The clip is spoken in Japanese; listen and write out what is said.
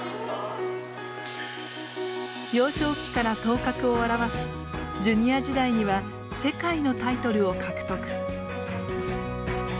幼少期から頭角を現しジュニア時代には世界のタイトルを獲得。